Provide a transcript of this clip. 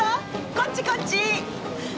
こっちこっち！